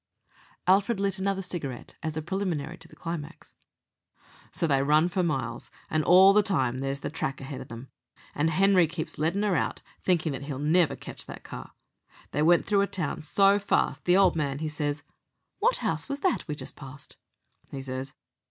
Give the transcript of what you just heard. Alfred lit another cigarette as a preliminary to the climax. "So they run for miles, and all the time there's the track ahead of 'em, and Henery keeps lettin' her out, thinkin' that he'll never ketch that car. They went through a town so fast, the old man he says, 'What house was that we just passed,' he says.